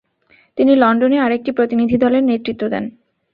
তিনি লন্ডনে আরেকটি প্রতিনিধিদলের নেতৃত্ব দেন।